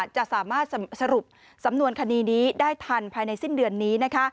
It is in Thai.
จะสามารถสรุปสำนวนคดีนี้ได้ทันภายในสิ้นเดือนนี้นะคะ